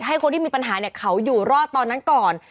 ให้คนที่มีปัญหาเนี่ยเขาอยู่รอดตอนนั้นก่อน